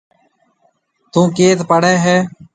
ٿون ڪيٿ پڙهيَ هيَ؟